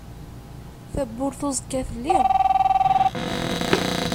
Tabburt uẓekka telli.